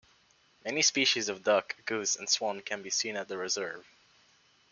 Many species of duck, goose and swan can be seen at the reserve.